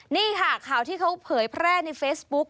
นี่ค่ะข่าวที่เขาเผยแพร่ในเฟซบุ๊ก